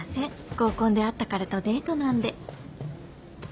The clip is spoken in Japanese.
合コンで会った彼とデートなんで。